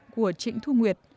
của trịnh thu nguyệt